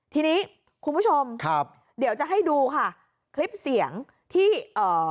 ทีนี้คุณผู้ชมครับเดี๋ยวจะให้ดูค่ะคลิปเสียงที่เอ่อ